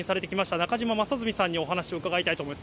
中島正純さんにお話を伺いたいと思います。